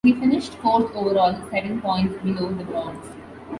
He finished fourth overall, seven points below the bronze.